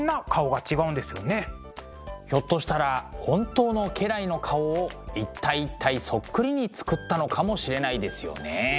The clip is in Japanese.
ひょっとしたら本当の家来の顔を一体一体そっくりに作ったのかもしれないですよね。